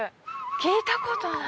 聞いたことない。